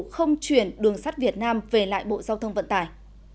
không chuyển đường sắt việt nam về lại bộ giao thông vận tải